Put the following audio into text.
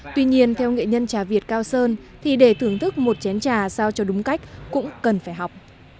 tuy nhiên theo nghệ nhân trà việt cao sơn thì để thưởng thức một chén trà sao cho đúng cách cũng cần phải học